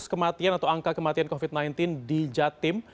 kematian atau angka kematian covid sembilan belas di jatim